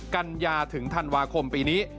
กัญญาถึงธันวาคมปีนี้